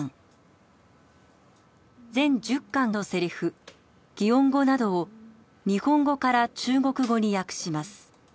全１０巻のセリフ擬音語などを日本語から中国語に訳します。